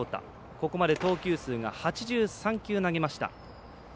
ここまで投球数が８３球投げました。